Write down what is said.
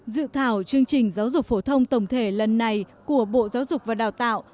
dự thảo chương trình giáo dục phổ thông tổng thể lần này của bộ giáo dục và đào tạo